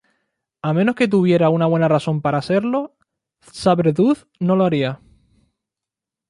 A menos que tuviera una buena razón para hacerlo, Sabretooth no lo haría.